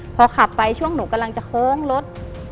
พอขับไปช่วงหนูกำลังจะโค้งรถ